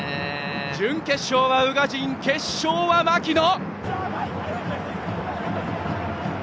準決勝は宇賀神決勝は槙野！